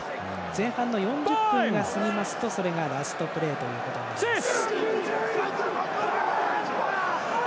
前半の４０分が過ぎますとそれがラストプレーとなります。